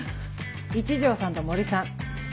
一条さんと森さん。